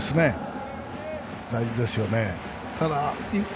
大事ですよね。